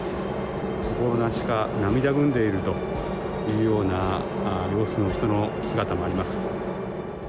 心なしか涙ぐんでいるというような様子の人の姿もあります。